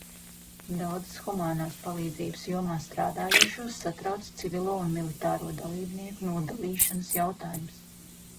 Daudzus humānās palīdzības jomā strādājošos satrauc civilo un militāro dalībnieku nodalīšanas jautājums.